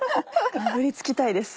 かぶりつきたいです